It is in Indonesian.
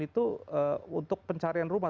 itu untuk pencarian rumah